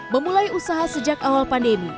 memulai usaha sejak awal pandemi